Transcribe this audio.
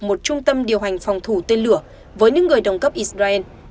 một trung tâm điều hành phòng thủ tên lửa với những người đồng cấp israel